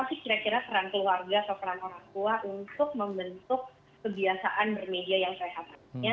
apa sih kira kira peran keluarga atau peran orang tua untuk membentuk kebiasaan bermedia yang sehat